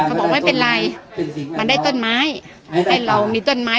เขาบอกไม่เป็นไรมันได้ต้นไม้ให้เรามีต้นไม้